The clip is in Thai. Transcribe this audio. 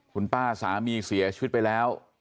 คุณป้าสามีเสียชีวิตไปแล้ว